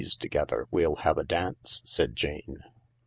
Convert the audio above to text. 's together we'll have a dance," said Jane.